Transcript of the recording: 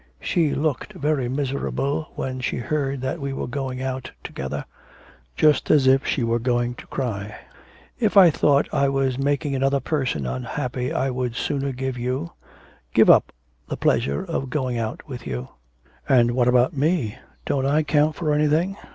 She looked very miserable when she heard that we were going out together. Just as if she were going to cry. If I thought I was making another person unhappy I would sooner give you give up the pleasure of going out with you.' 'And what about me? Don't I count for anything?'